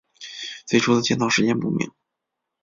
最初的建造时间不明。